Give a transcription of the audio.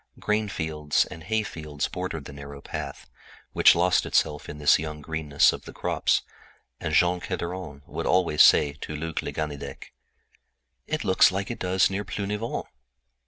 Grainfields and hayfields bordered the narrow path, which lost itself in the young greenness of the crops, and Jean Kerderen would always say to Luc le Ganidec: "It looks like it does near Plounivon."